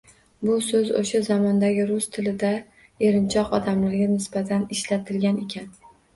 Bu so‘z o‘sha zamondagi rus tilida erinchoq odamlarga nisbatan ishlatilgan ekan.